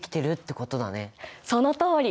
そのとおり！